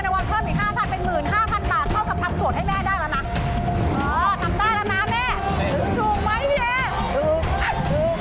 จะได้เงินระวังเพิ่มอีก๕๐๐๐บาท